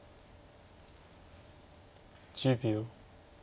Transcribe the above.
１０秒。